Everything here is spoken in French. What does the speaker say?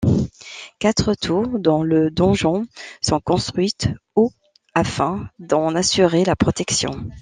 Quatre tours, dont le donjon, sont construites au afin d'en assurer la protection.